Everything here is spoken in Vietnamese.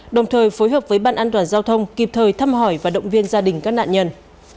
đồng thời phối hợp với ban an toàn giao thông kịp thời thăm hỏi và động viên gia đình các nạn nhân